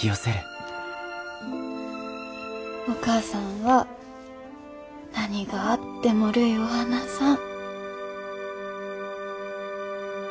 お母さんは何があってもるいを離さん。